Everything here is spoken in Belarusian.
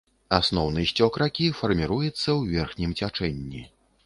Асноўны сцёк ракі фарміруецца ў верхнім цячэнні.